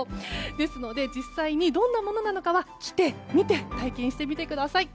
ですので実際にどんなものなのかは来て、見て体験してみてください。